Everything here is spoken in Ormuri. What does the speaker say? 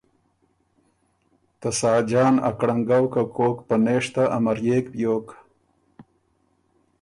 ته ساجان ا کرنګؤ که کوک بر پنېشته امريېک بیوک۔